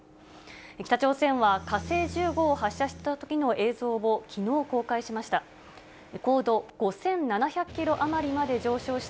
北朝鮮は火星１５を発射したときの映像を、きのう公開しました。